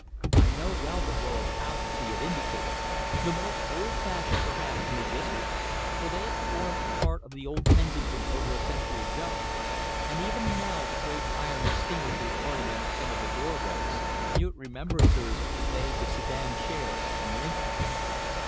I know well the row of houses he had indicated, the most old fashioned, perhaps, in the district, for they had formed a part of old Kensington over a century ago, and even now the great iron extinguishers ornamented some of the doorways, mute remembrancers of the days of sedan chairs and linkmen.